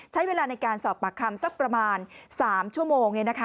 ใช้เวลาในการสอบปากคำสักประมาณ๓ชั่วโมง